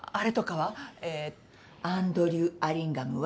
えぇアンドリュー・アリンガムは？